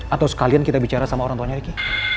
atau sekalian kita bicara sama orang tuanya ricky